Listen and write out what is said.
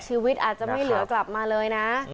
ชีวิตอาจจะไม่เหลือกลับมาเลยนะ